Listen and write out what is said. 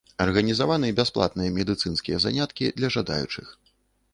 Арганізаваны бясплатныя медыцынскія заняткі для жадаючых.